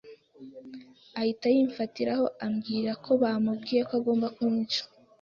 ahita ayimfatiraho, ambwira ko bamubwiye ko agomba kunyica,